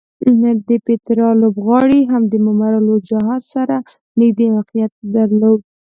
د پیترا لوبغالی هم د ممر الوجحات سره نږدې موقعیت درلود.